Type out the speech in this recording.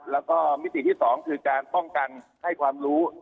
แล้วก็มิติที่๒คือการป้องกันให้ความรู้